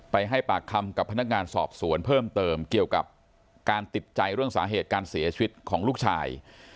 ให้ปากคำกับพนักงานสอบสวนเพิ่มเติมเกี่ยวกับการติดใจเรื่องสาเหตุการเสียชีวิตของลูกชาย